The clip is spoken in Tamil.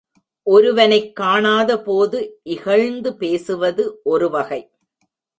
ஒருவனைக் காணாதபோது இகழ்ந்து பேசுவது ஒரு வகை.